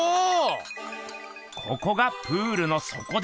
ここがプールのそこです。